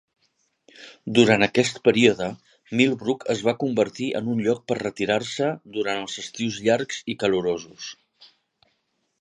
Durant aquest període, Millbrook es va convertir en un lloc per retirar-se durant els estius llargs i calorosos.